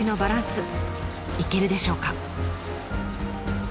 いけるでしょうか？